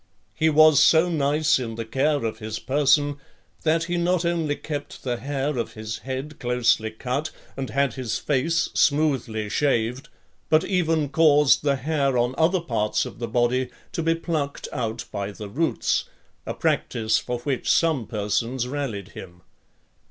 He was so nice in the care of his person, that he not only kept the hair of his head closely cut and had his face smoothly shaved, but (31) even caused the hair on other parts of the body to be plucked out by the roots, a practice for which some persons rallied him.